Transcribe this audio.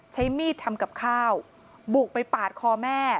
ใช้มีดทำกับข้าวบุกไปปาดคอแม่